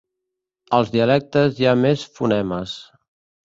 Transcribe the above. Als dialectes hi ha més fonemes.